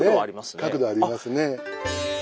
角度ありますね。